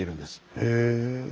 へえ。